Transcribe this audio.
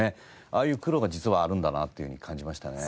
ああいう苦労が実はあるんだなっていうふうに感じましたね。